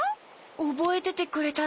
おぼえててくれたの？